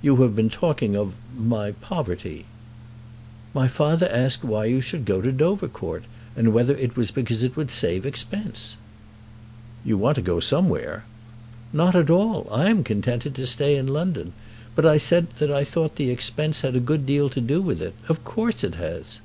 "You have been talking of my poverty." "My father asked why you should go to Dovercourt, and whether it was because it would save expense." "You want to go somewhere?" "Not at all. I am contented to stay in London. But I said that I thought the expense had a good deal to do with it. Of course it has."